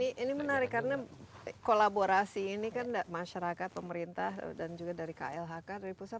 ini menarik karena kolaborasi ini kan masyarakat pemerintah dan juga dari klhk dari pusat